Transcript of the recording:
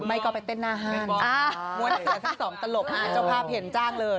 ไม่ก็ไปเต้นหน้าห้านม้วนเสือทั้งสองตลบเจ้าภาพเห็นจ้างเลย